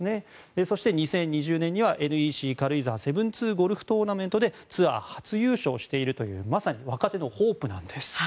そして２０２０年にはＮＥＣ軽井沢７２ゴルフトーナメントでツアー初優勝しているまさに若手のホープなんです。